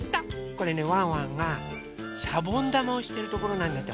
これねワンワンがしゃぼんだまをしてるところなんだってほら。